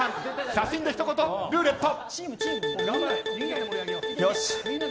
写真で一言ルーレット。